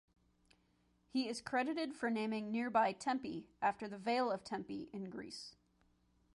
He is credited for naming nearby Tempe after the Vale of Tempe in Greece.